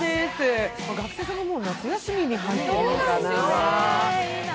学生さんはもう夏休みに入ってるんですね。